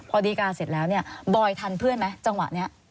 พอดีการเสร็จแล้วเนี่ยบอยทันเพื่อนไหมจังหวะนี้